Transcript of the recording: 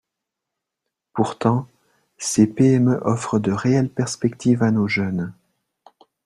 Pourtant, ces PME offrent de réelles perspectives à nos jeunes.